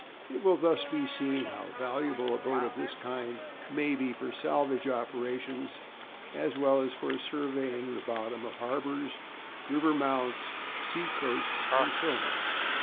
It will thus be seen how valuable a boat of this kind may be for salvage operations, as well as for surveying the bottom of harbours, river mouths, sea coasts, and so on.